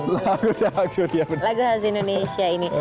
lagu yang khas indonesia ini